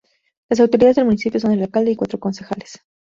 Las autoridades del municipio son el alcalde y cuatro concejales.